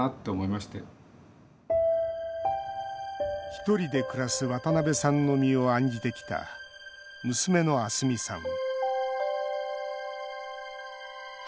ひとりで暮らす渡辺さんの身を案じてきた娘の明日美さん